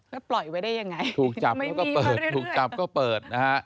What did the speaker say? แล้วปล่อยไว้ได้ยังไงถูกจับแล้วก็เปิดถูกจับก็เปิดนะฮะ